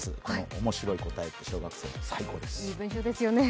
面白い答えの小学生、最高です。